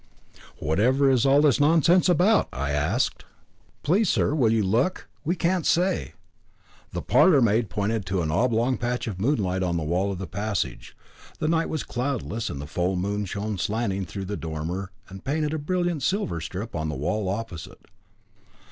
"Whatever is all this nonsense about?" I asked. "Please, sir, will you look? We can't say." The parlourmaid pointed to an oblong patch of moonlight on the wall of the passage. The night was cloudless, and the full moon shone slanting in through the dormer and painted a brilliant silver strip on the wall opposite.